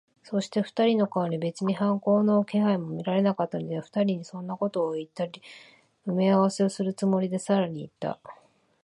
そして、二人の顔に別に反抗の気配も見られなかったので、二人にそんなことをいった埋合せをするつもりで、さらにいった。